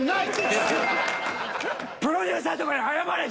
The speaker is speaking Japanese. プロデューサーとかに謝れ！